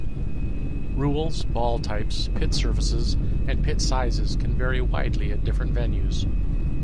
Rules, ball types, pit surfaces, and pit sizes can vary widely at different venues.